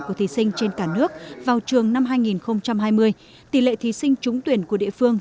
của thí sinh trên cả nước vào trường năm hai nghìn hai mươi tỷ lệ thí sinh trúng tuyển của địa phương